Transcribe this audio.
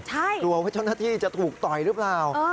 ตัววัฒนธที่จะถูกต่อยหรือเปล่า